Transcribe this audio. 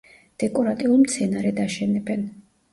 დეკორატიულ მცენარედ აშენებენ.